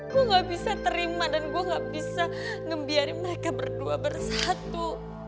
gue nggak bisa terima dan gue nggak bisa ngebiarin mereka berdua bersatu